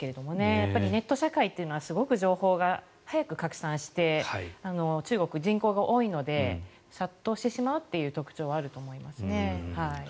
やっぱりネット社会というのはすごく情報が早く拡散して中国、人口が多いので殺到してしまうという特徴はあると思いますね。